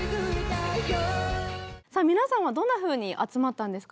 さあ皆さんはどんなふうに集まったんですか？